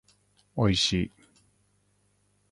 おいしい